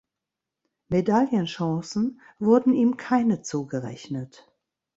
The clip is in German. Medaillenchancen wurden ihm keine zugerechnet.